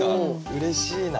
うれしいな。